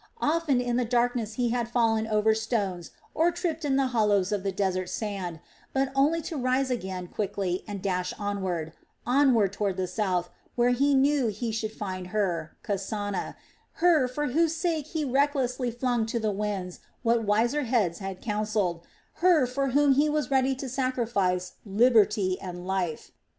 Often in the darkness he had fallen over stones or tripped in the hollows of the desert sand, but only to rise again quickly and dash onward, onward toward the south, where he knew he should find her, Kasana, her for whose sake he recklessly flung to the winds what wiser heads had counselled, her for whom he was ready to sacrifice liberty and life.